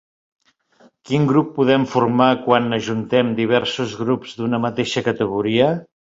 Quin grup podem formar quan ajuntem diversos grups d'una mateixa categoria?